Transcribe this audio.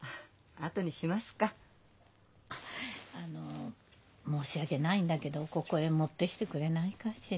あっあの申し訳ないんだけどここへ持ってきてくれないかしら？